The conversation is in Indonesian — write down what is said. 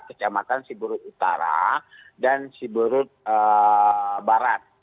kota seberut utara dan kota seberut barat